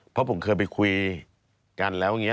เพราะผมเคยไปคุยกันแล้วอย่างนี้